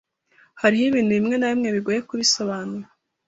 Hariho ibintu bimwe na bimwe bigoye kubisobanura.